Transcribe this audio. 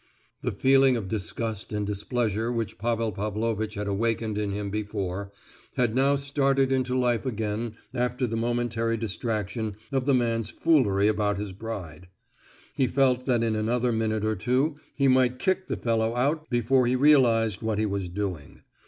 The feeling of disgust and displeasure which Pavel Pavlovitch had awakened in him before, had now started into life again after the momentary distraction of the man's foolery about his bride. He felt that in another minute or two he might kick the fellow out before he realized what he was doing.